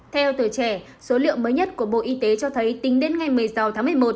theo tuổi trẻ số liệu mới nhất của bộ y tế cho thấy tính đến ngày một mươi sáu tháng một mươi một